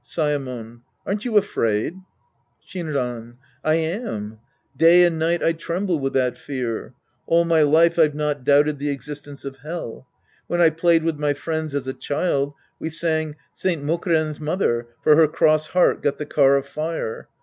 Saemon. Aren't you afraid ? Shinran. I am. Day and night I tremble with that fear. All my life I've not doubted the existence of Hell. When I played with my friends as a child, we sang " Saint Mokuren's mother, for her cross heart, got the car of fire."